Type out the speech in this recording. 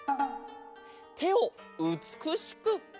てをうつくしく！